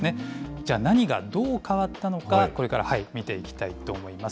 じゃあ何がどう変わったのか、これから見ていきたいと思います。